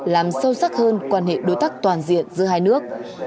làm sâu sắc hơn quan hệ đối tác toàn diện giữa hai nước